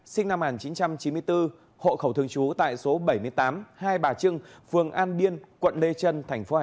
sinh năm một nghìn chín trăm chín mươi bốn hộ khẩu thương chú tại số bảy mươi tám hai bà trưng phường an điên quận lê trân